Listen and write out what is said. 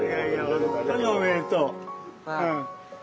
本当におめでとう。